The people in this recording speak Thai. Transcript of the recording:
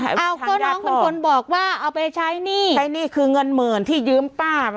เอาก็น้องเป็นคนบอกว่าเอาไปใช้หนี้ใช้หนี้คือเงินหมื่นที่ยืมป้ามา